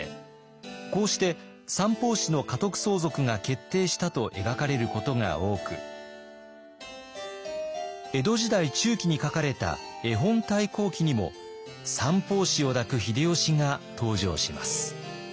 こうして三法師の家督相続が決定したと描かれることが多く江戸時代中期に書かれた「絵本太閤記」にも三法師を抱く秀吉が登場します。